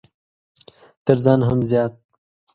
تر ځان هم زيات!